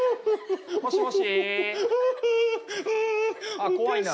ああ怖いな。